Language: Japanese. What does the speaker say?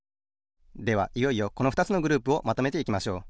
ではいよいよこのふたつのグループをまとめていきましょう。